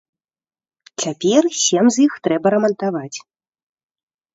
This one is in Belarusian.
Цяпер сем з іх трэба рамантаваць.